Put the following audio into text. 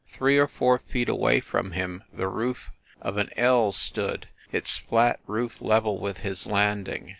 Three or four feet away from him the roof of an ell stood, its flat roof level with his landing.